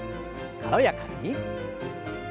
軽やかに。